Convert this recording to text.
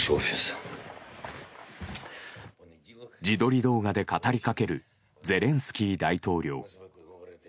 自撮り動画で語りかけるゼレンスキー大統領。